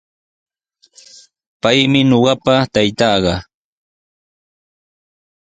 Paymi ñuqapa taytaaqa.